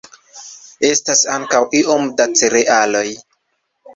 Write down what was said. Estas ankaŭ iom da cerealoj.